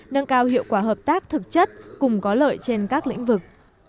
nâng cao hiệu quả hợp tác thực chất cùng có lợi trên các lĩnh vực